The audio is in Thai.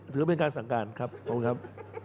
ถือเป็นการสั่งการครับขอบคุณครับ